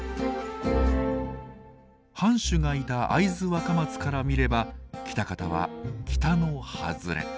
藩主がいた会津若松から見れば喜多方は北の外れ。